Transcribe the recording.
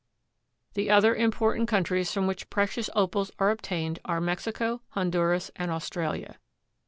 The other important countries from which precious Opals are obtained are Mexico, Honduras and Australia.